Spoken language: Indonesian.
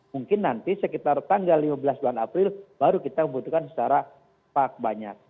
mungkin nanti sekitar tanggal lima belas bulan april baru kita membutuhkan secara pak banyak